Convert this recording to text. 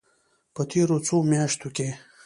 په تېرو څو میاشتو کې